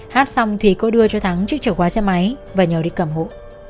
hát xong thùy có đưa cho thắng chiếc chìa khóa xe máy và nhờ đi cầm hộ